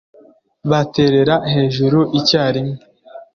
baterera hejuru icyarimwe